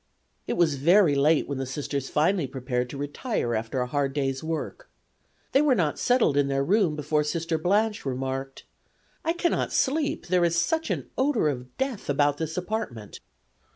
It was very late when the Sisters finally prepared to retire after a hard day's work. They were not settled in their room before Sister Blanche remarked: "I cannot sleep; there is such an odor of death about this apartment."